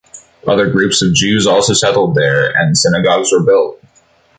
Other groups of Jews also settled there, and synagogues were built.